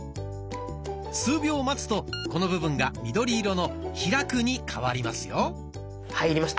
数秒待つとこの部分が緑色の「開く」に変わりますよ。